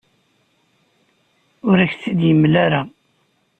Ur ak-tt-id-yemla ara.